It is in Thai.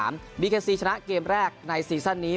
มิเครซีชนะเกมแรกในซีซ่อนนี้